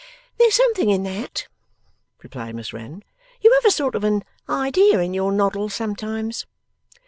'There's something in that,' replied Miss Wren; 'you have a sort of an idea in your noddle sometimes.